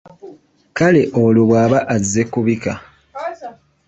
Kale olwo bw’aba azze kubika?